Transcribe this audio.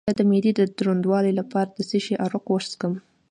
د معدې د دروندوالي لپاره د څه شي عرق وڅښم؟